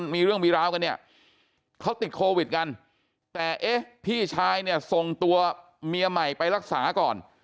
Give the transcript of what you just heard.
มีเรื่องมีราวกันเนี่ยเขาติดโควิดกันแต่เอ๊ะพี่ชายเนี่ยส่งตัวเมียใหม่ไปรักษาก่อน